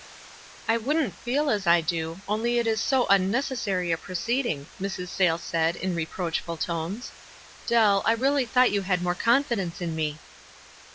"I wouldn't feel as I do — only it is so un necessary a proceeding," Mrs. Sayles said, in reproachful tones. "Dell, I really thought you had more confidence in me."